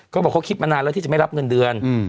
เขาบอกเขาคิดมานานแล้วที่จะไม่รับเงินเดือน